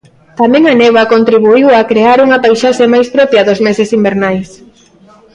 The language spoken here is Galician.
Tamén a néboa contribuíu a crear unha paisaxe máis propia dos meses invernais.